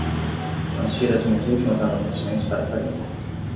Transfira as minhas últimas anotações para Karina